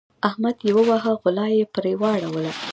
احمد يې وواهه؛ غلا يې پر واړوله.